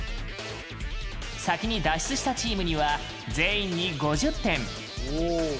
先に脱出したチームには全員に５０点。